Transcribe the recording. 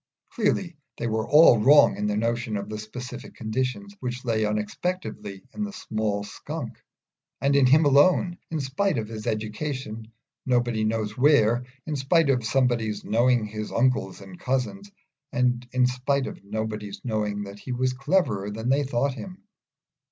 Clearly they were all wrong in their notion of the specific conditions, which lay unexpectedly in the small Skunk, and in him alone in spite of his education nobody knows where, in spite of somebody's knowing his uncles and cousins, and in spite of nobody's knowing that he was cleverer than they thought him.